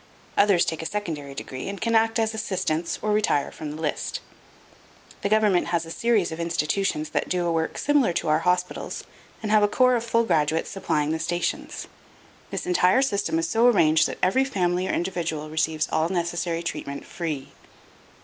Others take a secondary degree and can act as assistants or retire from the list. The government has a series of institutions that do a work similar to our hospitals and have a corps of full graduates supplying the stations. This entire system is so arranged that every family or individual receives all necessary treatment free.